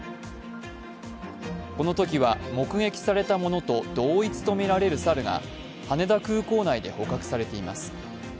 このときは目撃されたものと同一とみられる猿が羽田空港内で捕獲されています。